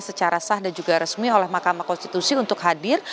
secara sah dan juga resmi oleh mahkamah konstitusi untuk hadir